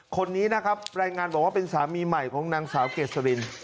คนนี้นะครับรายงานบอกว่าเป็นสามีใหม่ของนางสาวเกษริน